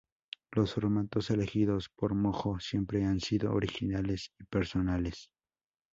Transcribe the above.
Los formatos elegidos por Mojo siempre han sido originales y personales.